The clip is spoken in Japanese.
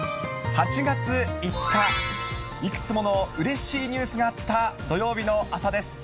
８月５日、いくつものうれしいニュースがあった土曜日の朝です。